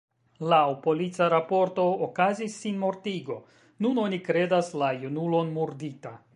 Laŭ polica raporto okazis sinmortigo: nun oni kredas la junulon murdita.